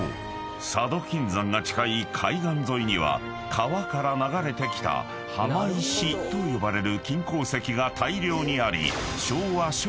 佐渡金山が近い海岸沿いには川から流れてきた浜石と呼ばれる金鉱石が大量にあり］